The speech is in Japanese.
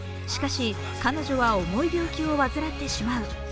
しかし、彼女は重い病気を患ってしまう。